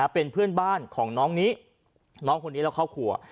เป็นเพื่อนบ้านคนนี้เราเข้าครัว